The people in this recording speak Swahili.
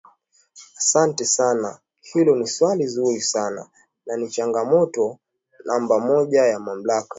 asante sana hilo ni swali zuri sana na ni changamoto namba moja ya mamlaka